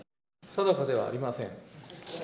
定かではありません。